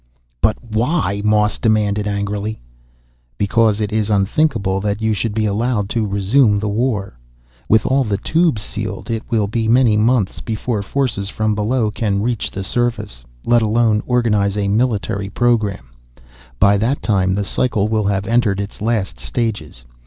"But why?" Moss demanded angrily. "Because it is unthinkable that you should be allowed to resume the war. With all the Tubes sealed, it will be many months before forces from below can reach the surface, let alone organize a military program. By that time the cycle will have entered its last stages.